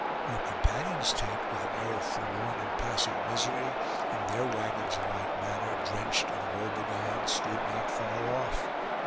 Our companions' tent, with an air of forlorn and passive misery, and their wagons in like manner, drenched and woe begone, stood not far off.